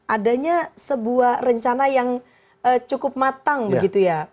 adanya sebuah rencana yang cukup matang begitu ya